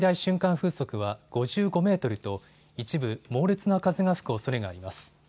風速は５５メートルと一部、猛烈な風が吹くおそれがあります。